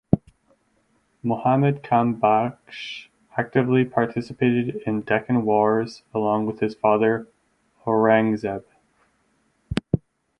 Muhammad Kam Bakhsh actively participated in Deccan wars along with his father Aurangzeb.